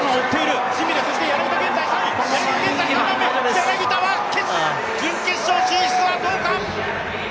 柳田は準決勝進出はどうか？